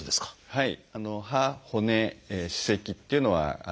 はい。